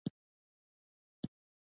ونې بربنډې وې او پاڼې یې نه لرلې.